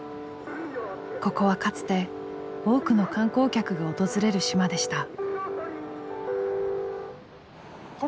ここはかつて多くの観光客が訪れる島でした。